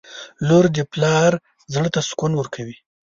• لور د پلار زړه ته سکون ورکوي.